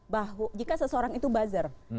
bahwa jika seseorang itu buzzer